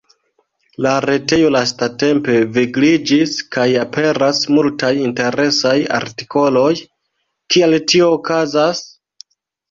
La retejo lastatempe vigliĝis kaj aperas multaj interesaj artikoloj, kial tio okazas?